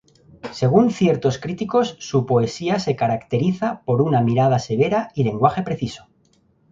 Según ciertos críticos, su poesía se caracteriza por una mirada severa y lenguaje preciso.